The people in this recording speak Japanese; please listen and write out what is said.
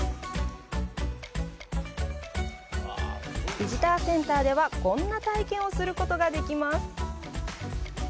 ビジターセンターではこんな体験をすることができます。